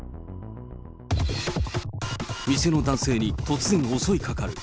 店の男性に突然襲いかかる。